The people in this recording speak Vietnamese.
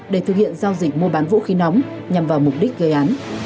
để thực hiện giao dịch mua bán vũ khí nóng nhằm vào mục đích gây án